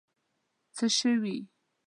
څه شوي.